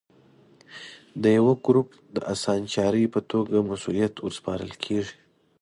د یوه ګروپ د اسانچاري په توګه مسوولیت ور سپارل کېږي.